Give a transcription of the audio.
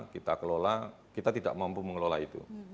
kita kelola kita tidak mampu mengelola itu